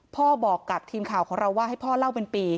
พ่อบอกกับทีมข่าวของเราว่าให้พ่อเล่าเป็นปี